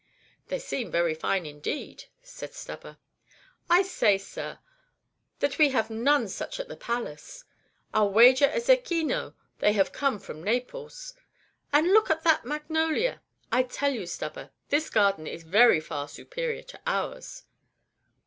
"They seem very fine indeed," said Stubber. "I say, sir, that we have none such at the Palace. I'll wager a zecchino they have come from Naples. And look at that magnolia: I tell you, Stubber, this garden is very far superior to ours."